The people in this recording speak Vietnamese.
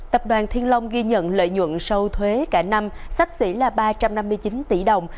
tập đoàn thiên long ghi nhận lợi nhuận sâu thuế cả năm sắp xỉ là ba trăm năm mươi chín tỷ đồng